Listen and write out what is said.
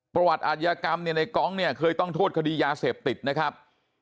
ประวัติอาทยากรรมเนี่ยในกองเนี่ยเคยต้องโทษคดียาเสพติดนะครับ